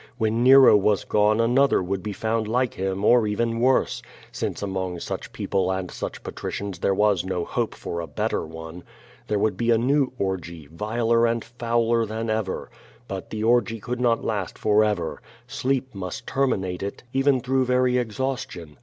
When Nero was gone another would be found like him or even worse, since among such people and such patricians there was no hope for a better one. There would be a new orgy, viler and fouler than ever. Ihit the orgy could not last forever. Sleep must terminate it, even through very exhaustion.